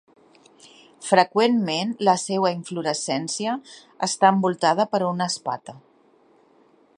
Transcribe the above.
Freqüentment la seua inflorescència està envoltada per una espata.